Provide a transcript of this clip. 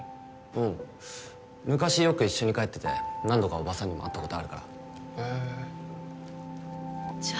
うん昔よく一緒に帰ってて何度かおばさんにも会ったことあるからへえじゃあ